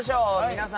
皆さん